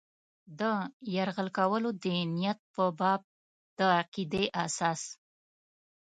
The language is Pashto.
د یرغل کولو د نیت په باب د عقیدې اساس.